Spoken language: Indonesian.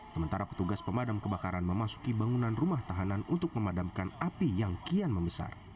sementara petugas pemadam kebakaran memasuki bangunan rumah tahanan untuk memadamkan api yang kian membesar